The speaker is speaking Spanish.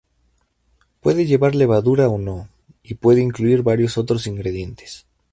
Puede llevar levadura o no, y puede incluir varios otros ingredientes.